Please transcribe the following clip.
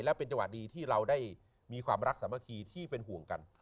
และเป็นจังหวะดีที่เราได้มีความรักสามัคคีที่เป็นห่วงกัน